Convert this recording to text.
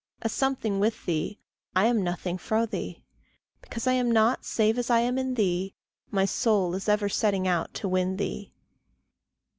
A something with thee, I am a nothing fro' thee. Because I am not save as I am in thee, My soul is ever setting out to win thee.